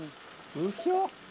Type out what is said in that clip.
うひょ。